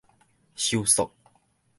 收束